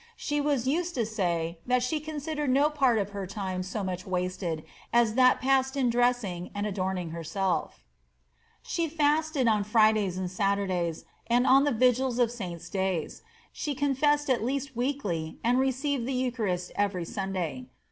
* She was used to say that she considered no part of her time so much wasted as that passed in dressing and adorning herself She lasted on Fridays and Saturdays, and on the vigils of saints^ days. She confessed at least weekly, and received the eucharist every Sunday.